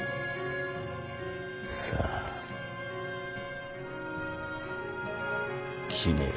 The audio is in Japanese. さあ決めよ。